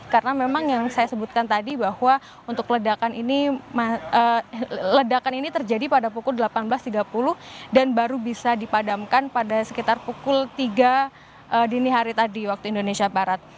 karena memang yang saya sebutkan tadi bahwa untuk ledakan ini terjadi pada pukul delapan belas tiga puluh dan baru bisa dipadamkan pada sekitar pukul tiga dini hari tadi waktu indonesia barat